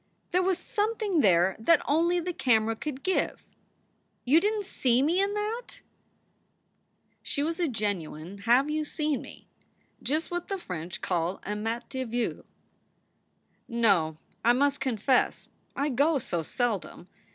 There was something there that only the camera could give. You didn t see me in that ? She was a genuine " Have you seen me ?" just what the French call a "m as tu vu?" "No, I must confess. I go so seldom.